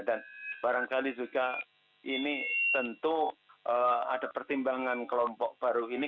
dan barangkali juga ini tentu ada pertimbangan kelompok baru ini